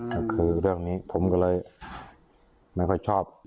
ก็คือเรื่องนี้ผมก็เลยไม่ค่อยชอบ